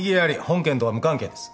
本件とは無関係です。